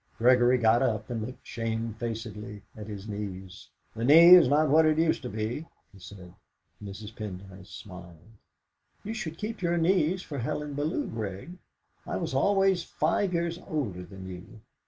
Gregory got up, and looked shamefacedly at his knees. "The knee is not what it used to be," he said. Mrs. Pendyce smiled. "You should keep your knees for Helen Bellow, Grig. I was always five years older than you."